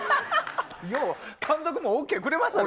よう監督もＯＫくれましたね。